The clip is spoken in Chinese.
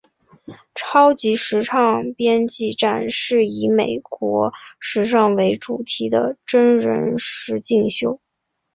超级时尚编辑战是以美国时尚为主题的真人实境秀。